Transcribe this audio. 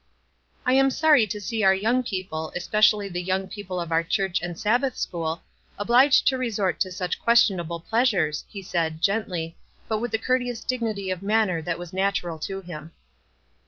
" I am sorry to see our young people, espe cially the young people of our church and Sab bath school, obliged to resort to such question able pleasures," he said, gently, but with the courteous dignity of manner that was natural to him.